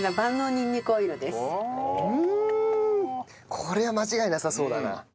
これは間違いなさそうだな。